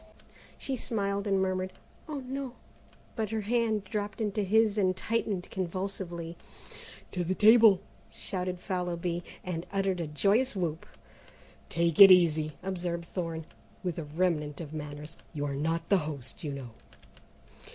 She smiled and murmured, "Oh, no!" but her hand dropped into his and tightened convulsively. "To the table!" shouted Fallowby, and uttered a joyous whoop. "Take it easy," observed Thorne, with a remnant of manners; "you are not the host, you know."